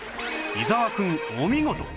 伊沢くんお見事！